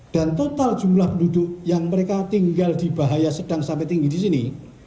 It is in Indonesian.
dan total jumlah penduduk yang mereka tinggal di bahaya sedang sampai tinggi di sini